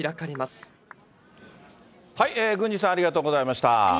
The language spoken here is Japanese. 郡司さん、ありがとうございました。